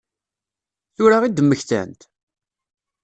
Tura i d-mmektant?